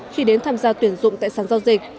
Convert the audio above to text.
khi đến tham gia tuyển dụng tại sàn giao dịch